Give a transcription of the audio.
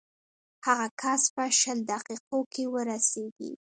هغه کس به شل دقیقو کې ورسېږي.